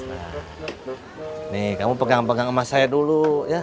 nih kamu pegang pegang emas saya dulu ya